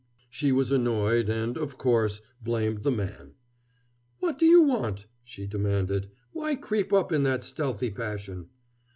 She was annoyed, and, of course, blamed the man. "What do you want?" she demanded. "Why creep up in that stealthy fashion?"